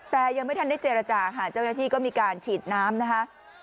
แต่ยังไม่ทันได้เจรจาค่ะเจ้าหน้าที่ก็มีการฉีดน้ำนะคะ